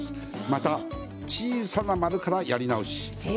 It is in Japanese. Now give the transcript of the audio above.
また小さな丸からやり直し。